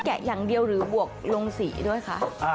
แกะอย่างเดียวหรือบวกลงสีด้วยคะ